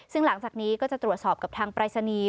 ซึ่งหลังจากนี้ก็จะตรวจสอบกับทางปรายศนีย์